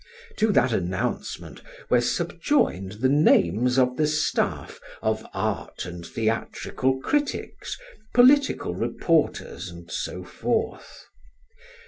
To that announcement were subjoined the names of the staff of art and theatrical critics, political reporters, and so forth.